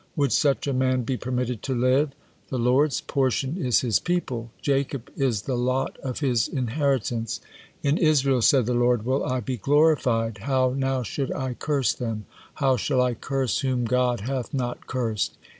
Would such a man be permitted to live? 'The Lord's portion is His people; Jacob is the lot of His inheritance.' 'In Israel,' said the Lord, 'will I be glorified.' How now should I curse them? How shall I curse whom God hath not cursed?